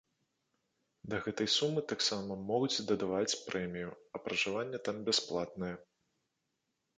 Да гэтай сумы таксама могуць дадаваць прэмію, а пражыванне там бясплатнае.